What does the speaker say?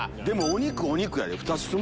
でもお肉お肉やで。